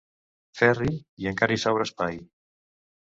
Ferri, i encara hi sobra espai.